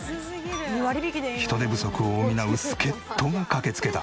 人手不足を補う助っ人が駆けつけた。